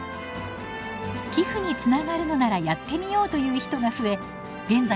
寄付につながるのならやってみようという人が増え現在